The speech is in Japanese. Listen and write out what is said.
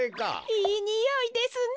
いいにおいですね。